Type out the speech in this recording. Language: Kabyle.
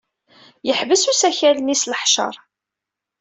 Yeḥbes usakal-nni s leḥceṛ.